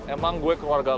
emang gue keluarga lo